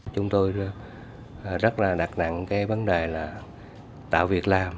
chúng tôi rất là đặt nặng cái vấn đề là tạo việc làm